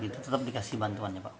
tetap dikasih bantuannya pak